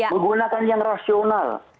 menggunakan yang rasional